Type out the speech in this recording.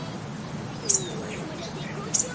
うんまだまだぜっこうちょう！